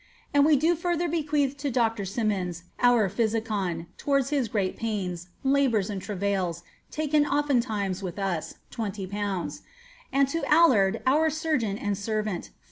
And we do further bequeath to Dr. Symonds, our phidaa, towards his great pains, labours, and tra>'ails, taken oft times with tis, 20/L ; and to Alarde, our surgeon and servant, 4